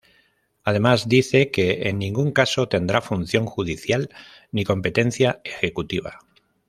Además, dice que "en ningún caso tendrá función judicial ni competencia ejecutiva".